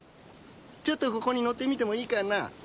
ちょっとここに乗ってみてもいいかな？